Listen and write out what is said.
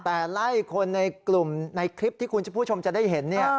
แต่ไล่คนในกลุ่มในคลิปที่คุณผู้ชมจะได้เห็น